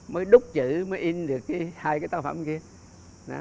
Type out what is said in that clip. mới đút chữ mới in được cái hai cái tác phẩm kia